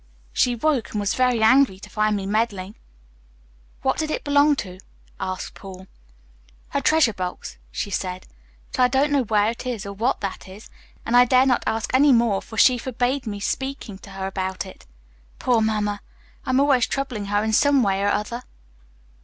She woke and was very angry to find me meddling." "What did it belong to?" asked Paul. "Her treasure box, she said, but I don't know where or what that is, and I dare not ask any more, for she forbade my speaking to her about it. Poor Mamma! I'm always troubling her in some way or other."